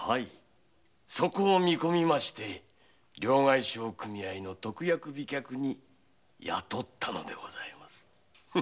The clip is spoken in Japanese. そこを見込んで両替商組合の特約飛脚に雇ったのでございますよ。